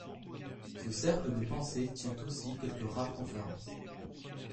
Ce cercle de pensée tient aussi quelques rares conférences.